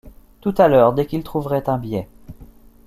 Tout à l’heure, dès qu’il trouverait un biais.